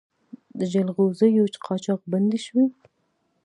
د جلغوزیو قاچاق بند شوی؟